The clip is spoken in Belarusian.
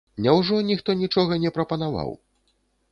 Няўжо ніхто нічога не прапанаваў?